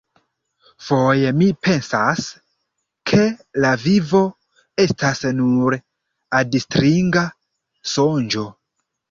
Foje mi pensas, ke la vivo estas nur adstringa sonĝo.